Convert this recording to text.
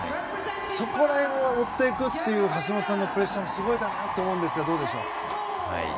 そこら辺を持っていくという橋本さんのプレッシャーもすごいかなと思うんですがどうでしょう。